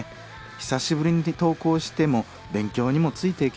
久しぶりに登校しても勉強にもついていけない」。